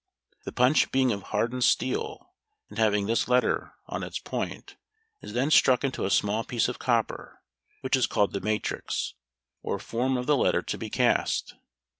The punch being of hardened steel, and having this letter on its point, is then struck into a small piece of copper, which is called the matrix, or form of the letter to be cast.